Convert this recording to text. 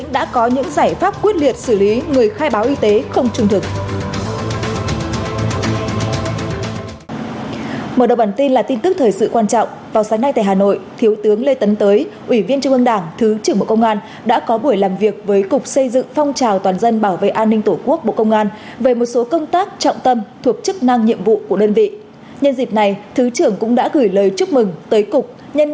nhân ngày truyền thống lực lượng xây dựng phong trào toàn dân bảo vệ an ninh tổ quốc